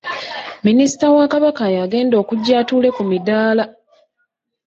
Minisita wa Kabaka y'agenda okujja atuule ku midaala!